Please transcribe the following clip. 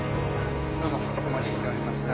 どうぞお待ちしておりました。